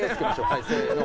はいせーの。